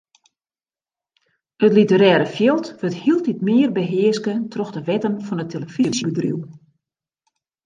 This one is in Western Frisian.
It literêre fjild wurdt hieltyd mear behearske troch de wetten fan it telefyzjebedriuw.